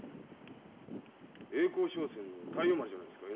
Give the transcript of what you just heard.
栄光商船の太陽丸じゃないですか。